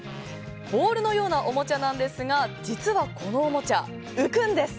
ボールのようなおもちゃですが実はこのおもちゃ、浮くんです。